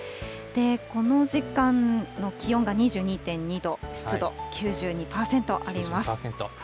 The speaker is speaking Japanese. この時間の気温が２２．２度、湿度９２％あります。